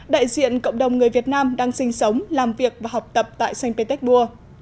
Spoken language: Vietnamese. đại diện cộng đồng người việt nam đang sinh sống làm việc và học tập tại st petersburg